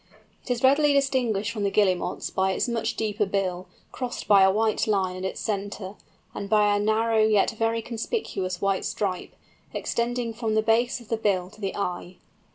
It is readily distinguished from the Guillemots by its much deeper bill, crossed by a white line at its centre, and by a narrow yet very conspicuous white stripe, extending from the base of the bill to the eye.